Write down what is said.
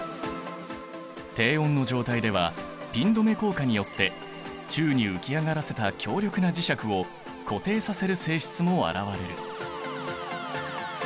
低温の状態ではピン止め効果によって宙に浮き上がらせた強力な磁石を固定させる性質も現れる。